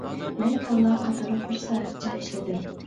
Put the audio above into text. مەن كاللا قاتۇرۇپ بىر سائەتچە ئىشلىدىم.